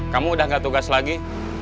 kamu udah gak tugas lagi